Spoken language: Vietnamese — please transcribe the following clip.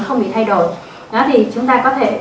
không bị thay đổi thì chúng ta có thể